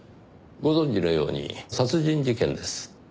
ご存じのようにこれは殺人事件です。